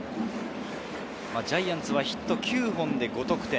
ジャイアンツはヒット９本で５得点。